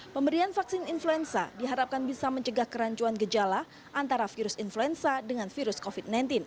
pemberian vaksin influenza diharapkan bisa mencegah kerancuan gejala antara virus influenza dengan virus covid sembilan belas